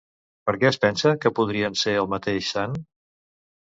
Per què es pensa que podrien ser el mateix sant?